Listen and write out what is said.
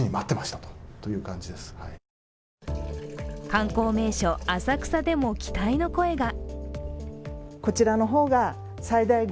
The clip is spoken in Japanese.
観光名所・浅草でも期待の声が。